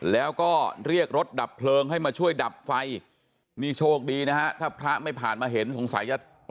แล้วก็เรียกรถดับเพลิงให้มาช่วยดับไฟนี่โชคดีนะฮะถ้าพระไม่ผ่านมาเห็นสงสัยจะ